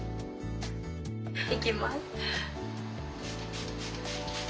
いきます。